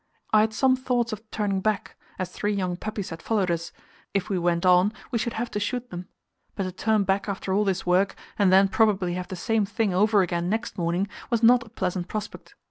I had some thoughts of turning back, as three young puppies had followed us; if we went on, we should have to shoot them. But to turn back after all this work, and then probably have the same thing over again next morning, was not a pleasant prospect.